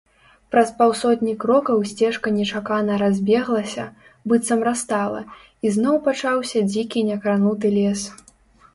Праз паўсотні крокаў сцежка нечакана разбеглася, быццам растала, і зноў пачаўся дзікі някрануты лес.